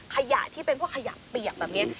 ขยะที่เป็นพวกขยะเปียกแบบนี้